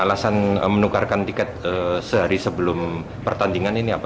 alasan menukarkan tiket sehari sebelum pertandingan ini apa